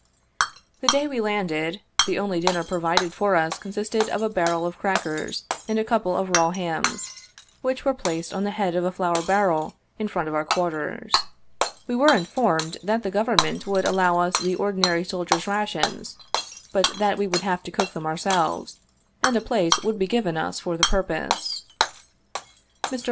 The day we landed, the only dinner provided for us consisted of a barrel of crackers and a couple of raw hams, which were placed on the head of a flour barrel, in front of our quarters. We were informed that the Govern ment would allow us the ordinary soldiers' rations, but that we would have to cook them ourselves, and a place would be given us for the purpose. Mr.